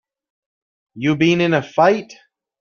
You been in a fight?